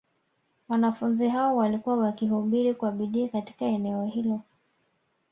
Wanafunzi hao walikuwa wakihubiri kwa bidii katika eneo hilo